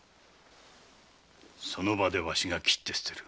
その場でわしが斬って捨てる。